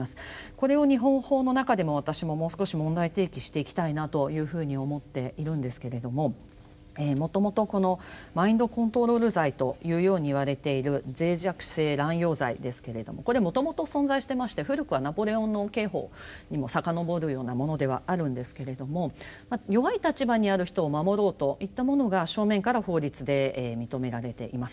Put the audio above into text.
これを日本法の中でも私ももう少し問題提起していきたいなというふうに思っているんですけれどももともとこのマインドコントロール罪というようにいわれている脆弱性乱用罪ですけれどもこれもともと存在してまして古くはナポレオンの刑法にも遡るようなものではあるんですけれども弱い立場にある人を守ろうといったものが正面から法律で認められています。